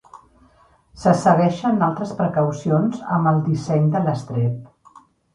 Se segueixen altres precaucions amb el disseny de l'estrep.